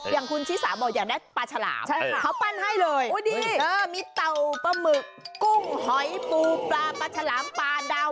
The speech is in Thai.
อย่างคุณชิสาบอกอยากได้ปลาฉลาว